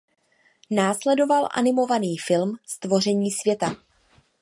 Následoval animovaný film "Stvoření světa".